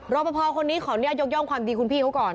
รอปภคนนี้ขออนุญาตยกย่องความดีคุณพี่เขาก่อน